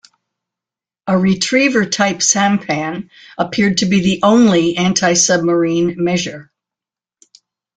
A retriever type sampan appeared to be the only antisubmarine measure.